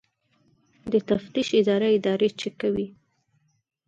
د تفتیش اداره ادارې چک کوي